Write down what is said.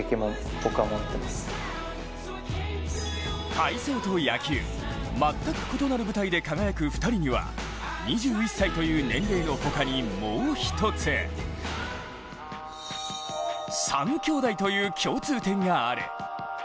体操と野球、全く異なる舞台で輝く２人には２１歳という年齢の他にもう１つ３兄弟という共通点がある。